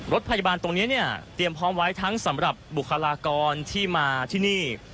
รถพยาบาลตรงนี้เนี่ยเตรียมพร้อมไว้ทั้งสำหรับบุคลากรที่มาที่นี่